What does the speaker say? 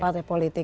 partai politik ya